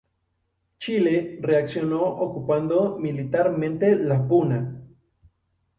Chile reaccionó ocupando militarmente la Puna.